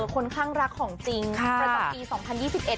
ค่อนข้างรักของจริงประจำปี๒๐๒๑